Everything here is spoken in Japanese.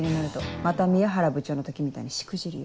また宮原部長の時みたいにしくじるよ。